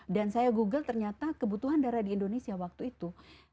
dan saya google ternyata kebutuhan darah di indonesia waktu itu